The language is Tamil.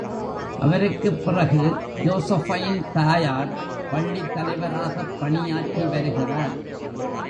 அவருக்குப் பிறகு ஜோசஃபைன் தாயார், பள்ளித் தலைவராகப் பணியாற்றி வருகிறார்.